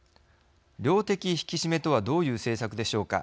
量的引き締めとはどういう政策でしょうか。